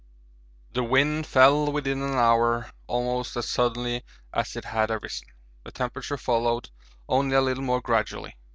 The wind fell within an hour almost as suddenly as it had arisen; the temperature followed, only a little more gradually.